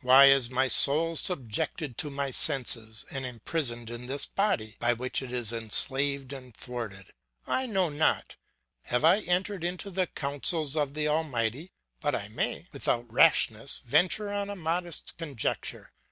Why is my soul subjected to my senses, and imprisoned in this body by which it is enslaved and thwarted? I know not; have I entered into the counsels of the Almighty? But I may, without rashness, venture on a modest conjecture.